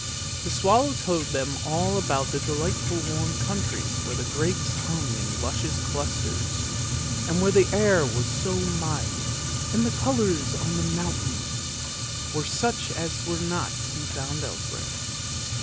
The swallow told them all about the delight ful warm countries where the grapes hung in luscious clusters, and where the air was so mild, and the colours on the mountains were such as were not to be found elsewhere.